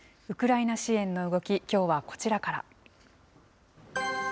ウクライナ支援の動き、きょうはこちらから。